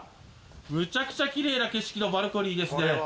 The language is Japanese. むちゃくちゃ綺麗な景色のバルコニーですね。